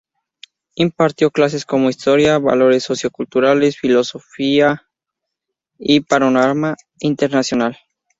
Impartió clases como historia, valores socioculturales, filosofía y panorama internacional.